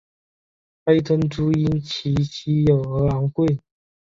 黑珍珠因其稀有而昂贵。